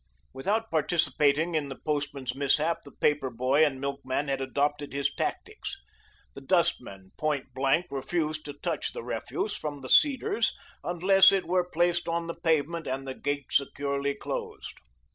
Without participating in the postman's mishap, the paper boy and milkman had adopted his tactics. The dustman point blank refused to touch the refuse from "The Cedars" unless it were placed on the pavement, and the gate securely closed.